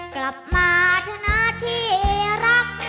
กลับมาเธอนะที่เหรอรัก